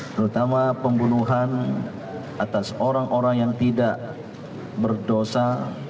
terutama pembunuhan atas orang orang yang tidak berdosa